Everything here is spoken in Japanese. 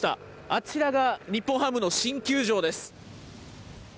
あちらが日本ハムの新球場です。